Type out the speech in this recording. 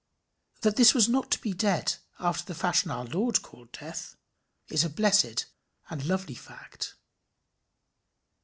That this was not to be dead after the fashion our Lord called death, is a blessed and lovely fact.